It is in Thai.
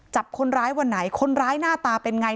จับคนร้ายวันไหนคนร้ายหน้าตาเป็นไง